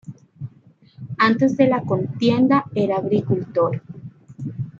Antes de la contienda era agricultor.